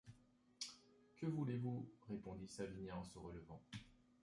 Que voulez-vous? répondit Savinien en se relevant.